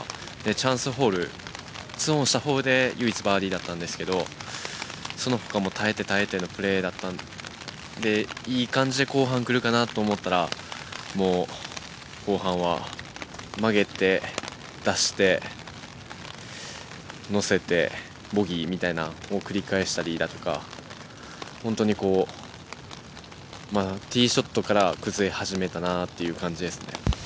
チャンスホール、ツーオンしたほうで唯一、バーディーだったんですけど、そのほかも耐えて耐えてのプレーだったんで、いい感じで後半、来るかなと思ったら、もう、後半は曲げて、出して、乗せてボギーみたいなのを繰り返したりだとか、本当にティーショットから崩れ始めたなという感じですね。